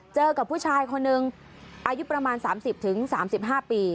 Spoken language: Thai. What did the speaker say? เจอกับผู้ชายคนหนึ่งอายุประมาณ๓๐๓๕ปี